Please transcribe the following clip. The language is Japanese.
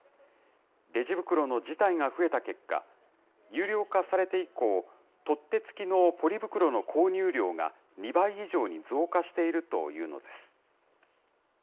レジ袋の辞退が増えた結果、有料化されて以降、取っ手付きのポリ袋の購入量が２倍以上に増加しているというのです。